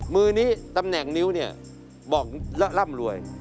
มือนี้ตำแหน่งนิ้วเนี่ยบอกแล้วร่ำรวย